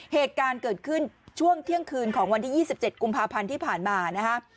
เหตุการณ์เกิดขึ้นช่วงเที่ยงคืนของวันที่๒๗กุมภาพันธ์ที่ผ่านมานะฮะ